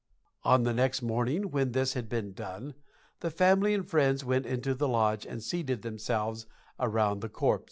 On the next morning, when this had been done, the family and friends went into the lodge and seated themselves around the corpse.